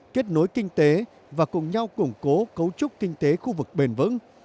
kết nối kinh tế và cùng nhau củng cố cấu trúc kinh tế khu vực bền vững